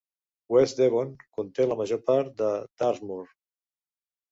West Devon conté la major part de Dartmoor.